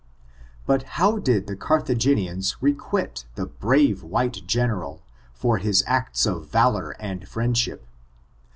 But how did the Carthagenians requite the brave white general, for his acts of valor and friendship